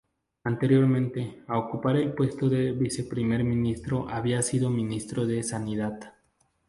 Anteriormente a ocupar el puesto de viceprimer ministro había sido ministro de sanidad.